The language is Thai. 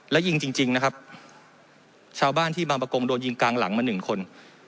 และยิงจริงนะครับชาวบ้านที่บางประกงโดนยิงกลางหลังมาหนึ่งคน